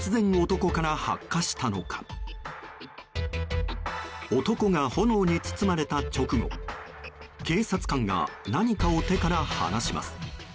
男が炎に包まれた直後警察官が何かを手から離します。